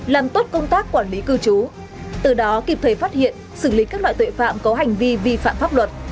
làm tốt công tác quản lý cư trú từ đó kịp thời phát hiện xử lý các loại tội phạm có hành vi vi phạm pháp luật